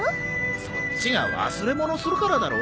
そっちが忘れ物するからだろ。